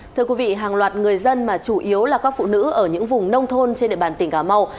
thưa quý vị hàng loạt người dân mà chủ yếu là các phụ nữ ở những vùng nông thôn trên địa bàn tỉnh cà mau